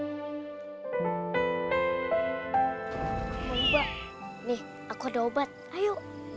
lupa nih aku ada obat ayo